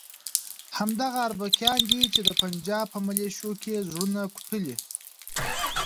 همدغه اربکیان دي چې د پنجاب په ملیشو کې زړونه کوټلي.